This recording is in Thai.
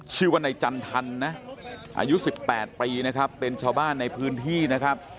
ชื่อว่านายจันทันนะอายุ๑๘ปีนะครับเป็นชาวบ้านในพื้นที่นะครับ